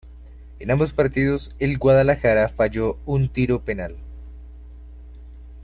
En ambos partidos el Guadalajara falló un tiro penal.